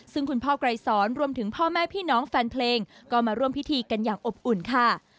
ซึ่งคุณพ่อไกรสอนรวมถึงพ่อแม่พี่น้องแฟนเพลงก็มาร่วมพิธีกันอย่างอบอุ่นค่ะ